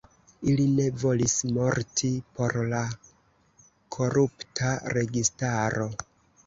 Ili ne volis morti por la korupta registaro.